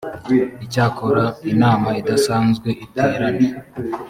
icyakora inama idasanzwe iterane